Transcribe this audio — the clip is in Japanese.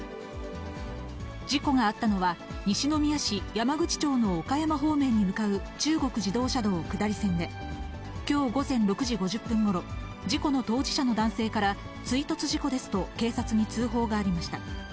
事故があったのは、西宮市山口町の岡山方面に向かう中国自動車道下り線で、きょう午前６時５０分ごろ、事故の当事者の男性から、追突事故ですと警察に通報がありました。